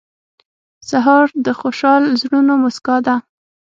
سهار د خوشحال زړونو موسکا ده.